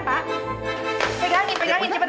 pegangin pegangin cepetan